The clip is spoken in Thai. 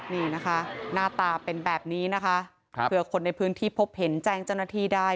นี่นะคะหน้าตาเป็นแบบนี้นะคะเผื่อคนในพื้นที่พบเห็นแจ้งเจ้าหน้าที่ได้